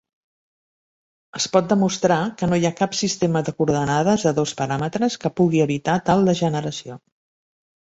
Es pot demostrar que no hi ha cap sistema de coordenades de dos paràmetres que pugui evitar tal degeneració.